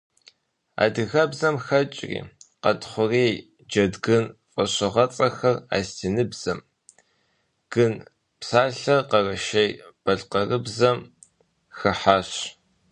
Адыгэбзэм хэкӀри «къуэнтхъурей», «джэдгын» фӀэщыгъэцӀэхэр асэтиныбзэм, «гын» псалъэр къэрэшей-балъкъэрыбзэм хыхьащ.